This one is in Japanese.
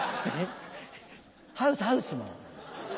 ハウスハウスもう。